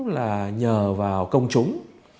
là nhờ vào công chúng